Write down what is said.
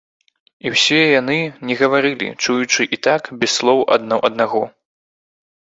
І ўсе яны не гаварылі, чуючы і так, без слоў адно аднаго.